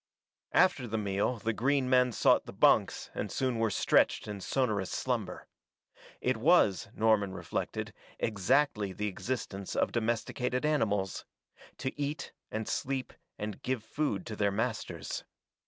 After the meal the green men sought the bunks and soon were stretched in sonorous slumber. It was, Norman reflected, exactly the existence of domesticated animals to eat and sleep and give food to their masters.